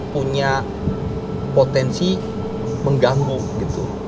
punya potensi mengganggu gitu